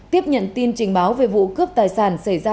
tiếp nhận tin trình báo về vụ cướp tài sản xảy ra